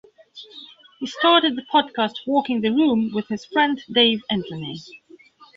He started the podcast "Walking the Room" with his friend Dave Anthony.